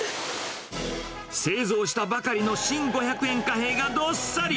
製造したばかりの新五百円貨幣がどっさり。